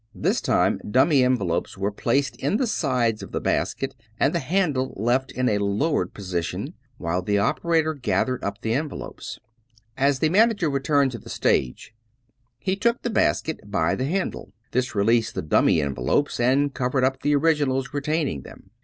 This time dummy envelopes were placed in the sides of the basket, and the handle left in a lowered posi 271 Tn$e Stories of Modern Magtc tion while the operator gathered up the envelopes. As the manager returned to the stage he took the basket by the handle. This released the dummy envelopes, and cov ered up the originals retaining them.